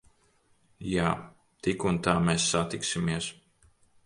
Jā. Tik un tā mēs satiksimies.